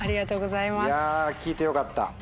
いや聞いてよかった。